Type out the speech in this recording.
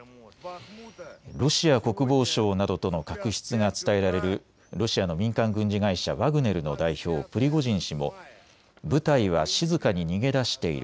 ロシア国防省などとの確執が伝えられるロシアの民間軍事会社ワグネルの代表、プリゴジン氏も部隊は静かに逃げ出している。